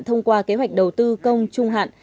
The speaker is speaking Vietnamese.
thông qua kế hoạch đầu tư công trung hạn